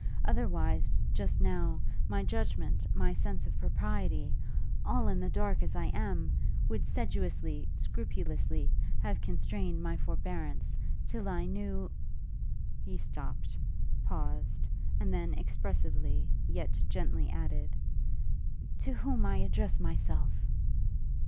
Otherwise just now, my judgment, my sense of propriety, all in the dark as I am would sedulously, scrupulously, have constrained my forbearance, till I knew ' He stopt, paused, and then expressively, yet gently added, 'to whom I addressed myself!'